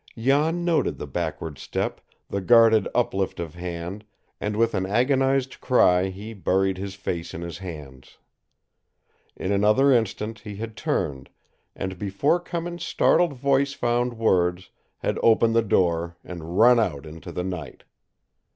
Jan noted the backward step, the guarded uplift of hand, and with an agonized cry he buried his face in his hands. In another instant he had turned, and, before Cummins' startled voice found words, had opened the door and run out into the night.